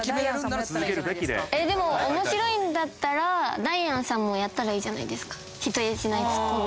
えっでも面白いんだったらダイアンさんもやったらいいじゃないですか否定しないツッコミ。